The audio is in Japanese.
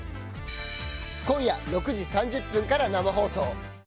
今夜６時３０分から生放送。